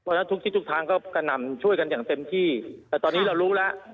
เพราะฉะนั้นทุกทิศทุกทางก็กระหน่ำช่วยกันอย่างเต็มที่แต่ตอนนี้เรารู้แล้ว